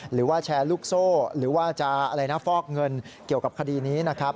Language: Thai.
หรือว่าแชร์ลูกโซ่หรือว่าจะอะไรนะฟอกเงินเกี่ยวกับคดีนี้นะครับ